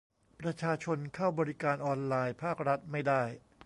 ประชาชนเข้าบริการออนไลน์ภาครัฐไม่ได้